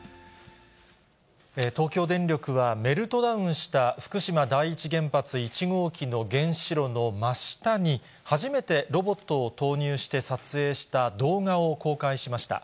東京電力は、メルトダウンした福島第一原発１号機の原子炉の真下に、初めてロボットを投入して撮影した動画を公開しました。